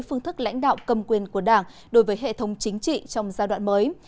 phương thức lãnh đạo cầm quyền của đảng đối với hệ thống chính trị trong giai đoạn mới